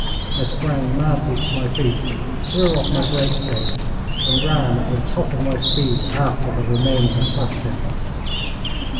I sprang madly to my feet, threw off my great coat, and ran at the top of my speed after the remaining assassin.